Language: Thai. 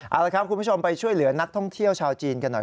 เอาละครับคุณผู้ชมไปช่วยเหลือนักท่องเที่ยวชาวจีนกันหน่อย